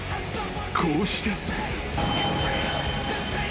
［こうして］